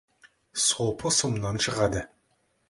Сопы сұмнан шығады.